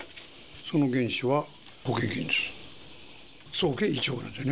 その原資は、保険金です。